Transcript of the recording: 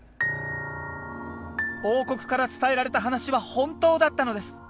王国から伝えられた話は本当だったのです。